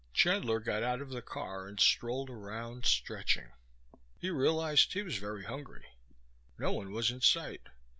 Chandler got out of the car and strolled around, stretching. He realized he was very hungry. No one was in sight.